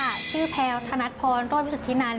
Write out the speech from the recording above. สวัสดีค่ะชื่อแพลว์ธนัดพรโต๊ะวิสุทธินัน